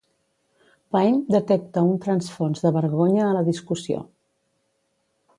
Pyne detecta un transfons de vergonya a la discussió.